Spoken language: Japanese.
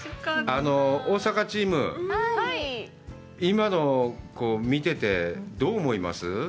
大阪チーム、今のを見てて、どう思います？